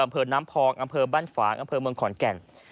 อำเภอน้ำพองอำเภอบ้านฝางอำเภอเมืองขอนแก่น